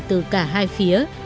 từ cả hai phía